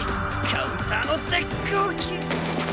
カウンターの絶好機。